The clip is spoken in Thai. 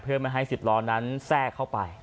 เพื่อไม่ให้๑๐ล้อนั้นแทรกเข้าไป